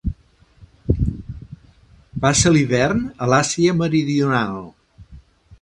Passa l'hivern a l'Àsia Meridional.